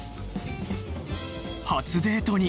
初デートに